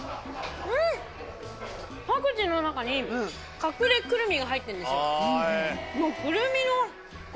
パクチーの中に隠れクルミが入ってるんですよ。